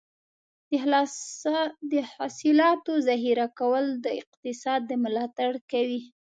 د حاصلاتو ذخیره کول د اقتصاد ملاتړ کوي.